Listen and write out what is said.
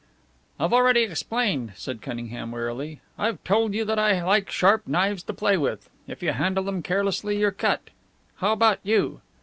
"I've already explained," said Cunningham, wearily. "I've told you that I like sharp knives to play with. If you handle them carelessly you're cut. How about you?"